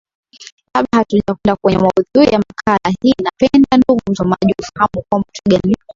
Kabla hatujakwenda kwenye maudhui ya makala hii napenda ndugu msomaji ufahamu kwamba twiga ni